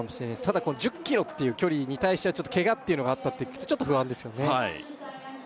ただこの１０ｋｍっていう距離に対してはケガっていうのがあったって聞くとちょっと不安ですよね